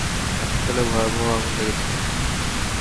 হাসপাতালে ভয়াবহ আগুন লেগেছিল!